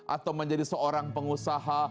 atau menjadi seorang pengusaha